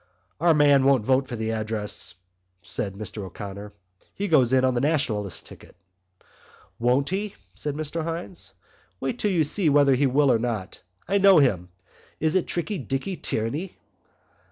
"Our man won't vote for the address," said Mr O'Connor. "He goes in on the Nationalist ticket." "Won't he?" said Mr Hynes. "Wait till you see whether he will or not. I know him. Is it Tricky Dicky Tierney?"